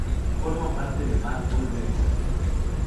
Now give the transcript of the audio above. Forma parte de Bad Boy Records.